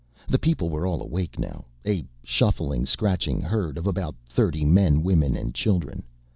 The people were all awake now, a shuffling, scratching herd of about thirty men, women and children.